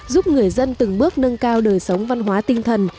giúp người dân từng bước nâng cao đời sống văn hóa tinh thần